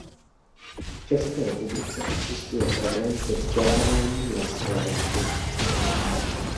V České republice existuje problém se vzděláváním romské menšiny.